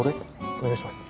お願いします。